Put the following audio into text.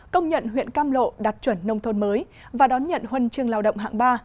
công nhận huyện cam lộ đạt chuẩn nông thôn mới và đón nhận huân chương lao động hạng ba